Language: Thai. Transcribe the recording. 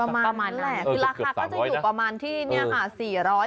ประมาณนั้นแหละคือราคาก็จะอยู่ประมาณที่เนี่ยค่ะ